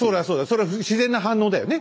それは自然な反応だよね。